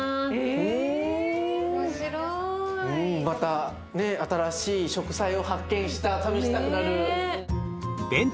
また新しい食材を発見したら試したくなる。